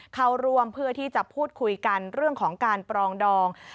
เข้าร่วมเพื่อที่จะพูดคุยกันเรื่องของการปรองดอง